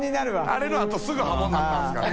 あれのあとすぐ破門になったんですかね？